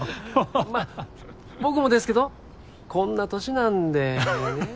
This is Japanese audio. まぁ僕もですけどこんな歳なんでね。